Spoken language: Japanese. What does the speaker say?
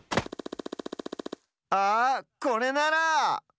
あこれなら！